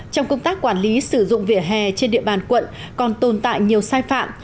trong công tác quản lý sử dụng vỉa hè trên địa bàn quận còn tồn tại nhiều sai phạm